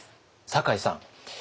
酒井さん